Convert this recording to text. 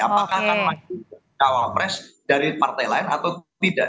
apakah akan lagi di kawal pres dari partai lain atau tidak